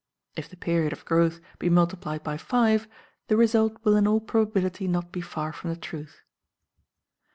If the period of growth be multiplied by five, the result will in all probability not be far from the truth.